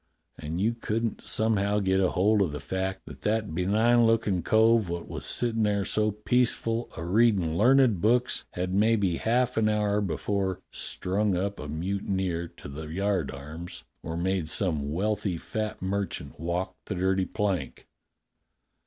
And you couldn't somehow get hold o' the fact that that benign lookin' cove wot was sittin' there so peaceful a readin' learned books had maybe half an hour before strung up a mutineer to the yardarms or made some wealthy fat merchant walk the dirty plank.